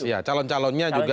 kalau calon calonnya juga